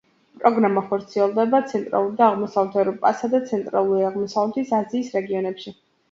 პროგრამა ხორციელდებოდა ცენტრალური და აღმოსავლეთ ევროპასა და ცენტრალური და აღმოსავლეთ აზიის რეგიონებში.